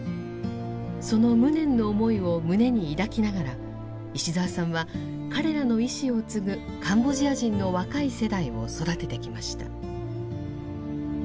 その無念の思いを胸に抱きながら石澤さんは彼らの遺志を継ぐカンボジア人の若い世代を育ててきました。